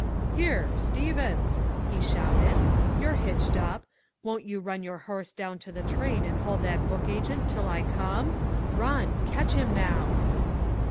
"Here, Stevens!" he shouted, "you're hitched up! Won't you run your horse down to the train and hold that book agent till I come? Run! Catch 'im now!"